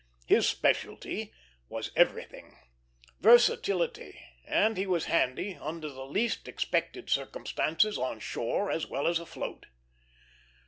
His specialty was everything versatility; and he was handy under the least expected circumstances, on shore as well as afloat.